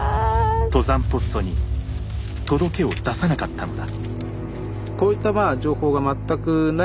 登山ポストに届けを出さなかったのだ。